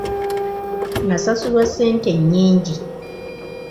Nasasulwa ssente nnyingi .